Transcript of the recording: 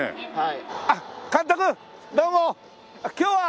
はい。